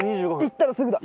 行ったらすぐだ。